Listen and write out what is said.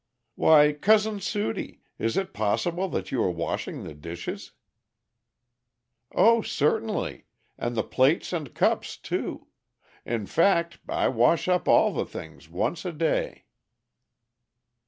"Why, Cousin Sudie, is it possible that you are washing the dishes?" "O certainly! and the plates and cups too. In fact, I wash up all the things once a day."